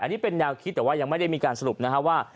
อันนี้เป็นแนวคิดแต่ว่ายังไม่ได้มีการสรุปนะครับว่า